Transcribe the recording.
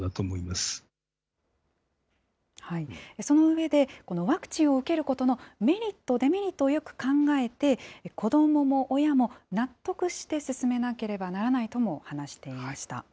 その上で、ワクチンを受けることのメリット、デメリットをよく考えて、子どもも親も納得して進めなければならないとも話していました。